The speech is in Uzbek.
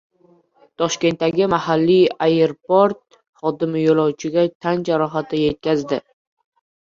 Toshkentdagi mahalliy aeroport xodimi yo‘lovchiga tan jarohati yetkazdi